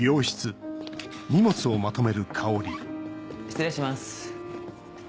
失礼します。